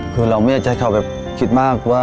คือเราเหมือนจะแค่คิดมากว่า